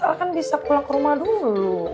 al kan bisa pulang ke rumah dulu